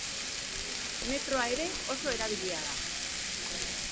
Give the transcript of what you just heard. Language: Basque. Metroa ere oso erabilia da.